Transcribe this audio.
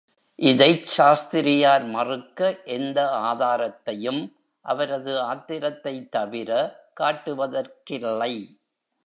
இதைச் சாஸ்திரியார் மறுக்க எந்த ஆதாரத்தையும் — அவரது ஆத்திரத்தைத் தவிர — காட்டுவதற்கில்லை.